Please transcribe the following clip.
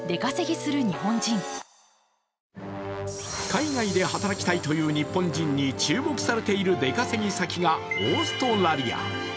海外で働きたいという日本人に注目されている出稼ぎ先がオーストラリア。